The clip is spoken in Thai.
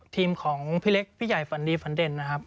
ทีมของพี่เล็กพี่ใหญ่ฝันดีฝันเด่นนะครับ